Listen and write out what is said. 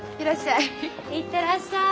行ってらっしゃい。